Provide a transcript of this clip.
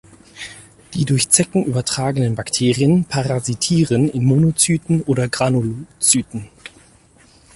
Die durch Zecken übertragenen Bakterien parasitieren in Monozyten oder Granulozyten.